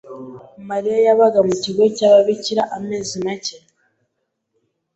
Mariya yabaga mu kigo cy'ababikira amezi make.